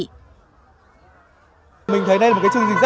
cũng mang lại cho những người tham gia những trải nghiệm thú vị